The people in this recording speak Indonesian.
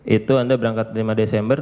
itu anda berangkat lima desember